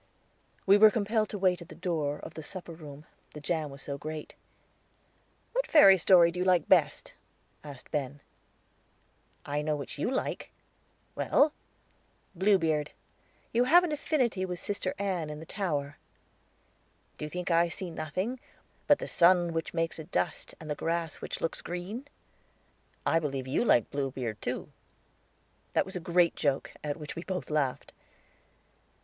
We were compelled to wait at the door of the supper room, the jam was so great. "What fairy story do you like best?" asked Ben "I know which you like." "Well?" "Bluebeard. You have an affinity with Sister Ann in the tower." "Do you think I see nothing 'but the sun which makes a dust and the grass which looks green?' I believe you like Bluebeard, too." That was a great joke, at which we both laughed.